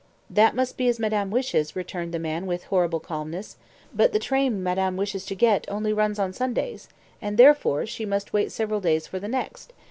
"That must be as madame wishes," returned the man with horrible calmness; "but the train madame wishes to get only runs on Sundays, and, therefore, she must wait several days for the next.